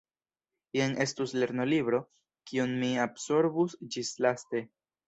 Jen estus lernolibro, kiun mi absorbus ĝislaste.